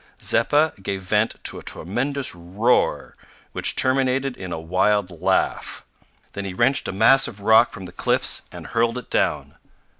Zeppa gave vent to a tremendous roar, which terminated in a wild laugh. Then he wrenched a mass of rock from the cliffs and hurled it down.